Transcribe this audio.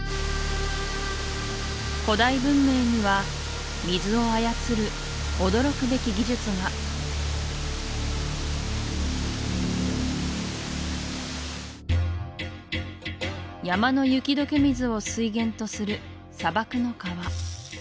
古代文明には水を操る驚くべき技術が山の雪解け水を水源とする砂漠の川